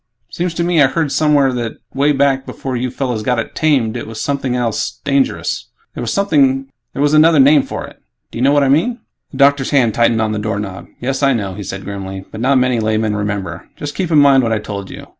Seems to me I heard somewhere that, way back before you fellows got it 'tamed' it was something else dangerous. There was another name for it. Do you know what I mean?" The doctor's hand tightened on the doorknob. "Yes, I know," he said grimly, "but not many laymen remember. Just keep in mind what I told you.